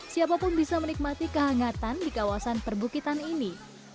siapa pun bisa menikmati kehangatan di kawasan perbukitan ini